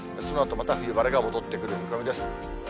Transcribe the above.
そのあとまた、冬晴れが戻ってくる見込みです。